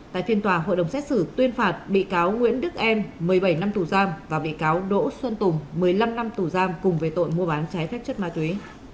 tại phiên tòa hội đồng xét xử tuyên phạt bị cáo nguyễn đức em một mươi bảy năm tù giam và bị cáo đỗ xuân tùng một mươi năm năm tù giam cùng về tội mua bán trái phép chất ma túy